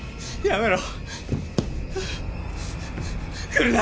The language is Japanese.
やめろ。